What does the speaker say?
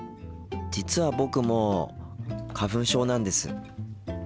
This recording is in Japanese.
実は僕も花粉症なんです。